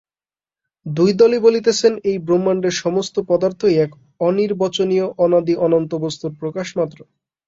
দুই দলই বলিতেছেন, এই ব্রহ্মাণ্ডের সমস্ত পদার্থই এক অনির্বচনীয় অনাদি অনন্ত বস্তুর প্রকাশমাত্র।